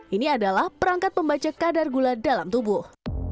ini adalah perangkat membaca kadar gula dalam tubuh